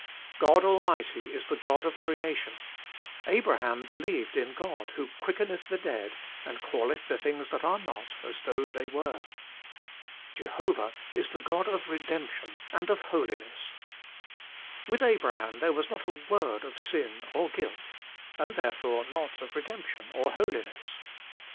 God Almighty is the God of Creation : Abraham believed in God, ' who quickeneth the dead, and calleth the things that are not as though they were.' Jehovah is the God of Eedemption and of Holiness. With Abraham there was not a word of sin or guilt, and therefore not of redemption or holiness.